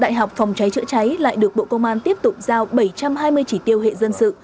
đại học phòng cháy chữa cháy lại được bộ công an tiếp tục giao bảy trăm hai mươi chỉ tiêu hệ dân sự